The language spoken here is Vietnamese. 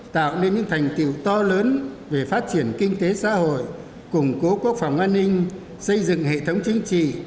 tạo nên những thành tiệu to lớn về phát triển kinh tế xã hội củng cố quốc phòng an ninh xây dựng hệ thống chính trị